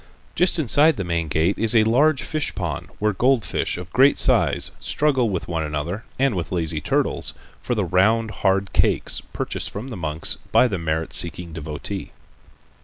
Just inside the main gate is a large fish pond, where goldfish of great size struggle with one another, and with the lazy turtles, for the round hard cakes purchased from the monks by the merit seeking devotee.